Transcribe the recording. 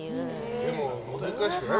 でも難しくない？